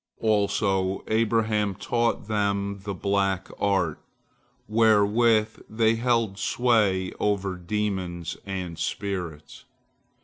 " Also Abraham taught them the black art, wherewith they held sway over demons and spirits.